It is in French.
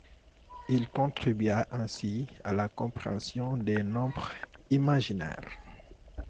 Il contribua ainsi à la compréhension des nombres imaginaires.